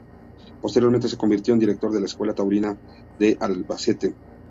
Posteriormente se convirtió en director de la Escuela Taurina de Albacete.